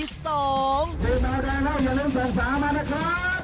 เผื่อเบาได้แล้วอย่าลืมส่งฝามานะคะ